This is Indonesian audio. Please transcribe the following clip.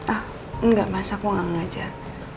ah enggak mas aku gak ngajar